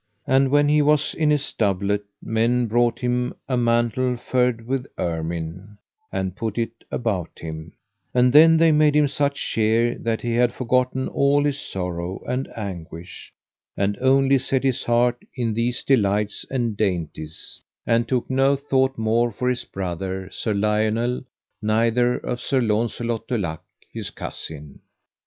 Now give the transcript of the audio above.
And when he was in his doublet men brought him a mantle furred with ermine, and put it about him; and then they made him such cheer that he had forgotten all his sorrow and anguish, and only set his heart in these delights and dainties, and took no thought more for his brother, Sir Lionel, neither of Sir Launcelot du Lake, his cousin.